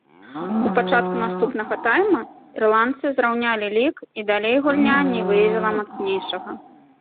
У пачатку наступнага тайма ірландцы зраўнялі лік і далей гульня не выявіла мацнейшага.